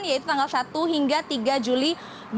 yaitu tanggal satu hingga tiga juli dua ribu dua puluh